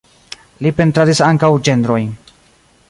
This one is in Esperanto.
Li pentradis ankaŭ ĝenrojn.